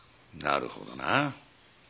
なるほどな。